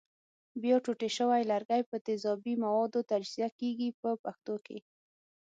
بیا ټوټې شوي لرګي په تیزابي موادو تجزیه کېږي په پښتو کې.